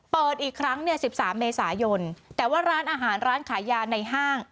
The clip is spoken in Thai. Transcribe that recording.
เปิดอีกครั้งเนี่ย๑๓เมษายนแต่ว่าร้านอาหารร้านขายยาในห้าง